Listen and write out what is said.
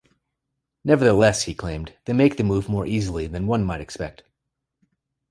Nevertheless, he claimed, they make the move more easily than one might expect.